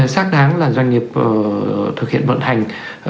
xác đáng là doanh nghiệp thực hiện vận hành